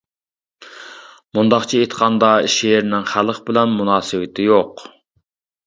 مۇنداقچە ئېيتقاندا، شېئىرنىڭ خەلق بىلەن مۇناسىۋىتى يوق!